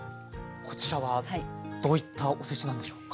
こちらはどういったおせちなんでしょうか？